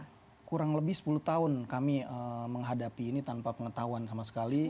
jadi kurang lebih sepuluh tahun kami menghadapi ini tanpa pengetahuan sama sekali